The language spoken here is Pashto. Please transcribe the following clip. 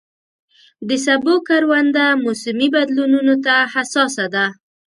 د سبو کرونده موسمي بدلونونو ته حساسه ده.